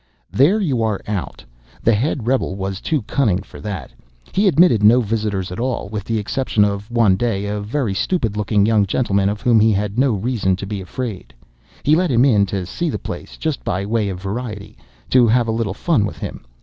"There you are out. The head rebel was too cunning for that. He admitted no visitors at all—with the exception, one day, of a very stupid looking young gentleman of whom he had no reason to be afraid. He let him in to see the place—just by way of variety,—to have a little fun with him.